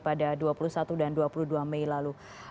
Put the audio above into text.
pada dua puluh satu dan dua puluh dua mei lalu